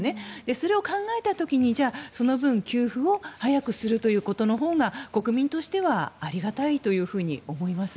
それを考えた時にその分、給付を早くするということのほうが国民としてはありがたいと思います。